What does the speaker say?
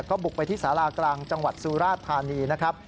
ก็บุกไปที่สารากลางจังหวัดสุราชธานีนะครับ